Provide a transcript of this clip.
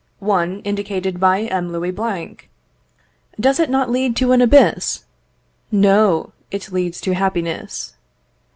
One indicated by M. Louis Blanc. Does it not lead to an abyss? No, it leads to happiness.